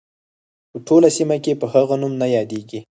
په ټوله سیمه کې په هغه نوم نه یادیږي.